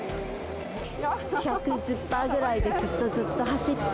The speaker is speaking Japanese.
１１０パーぐらいでずっとずっと走って。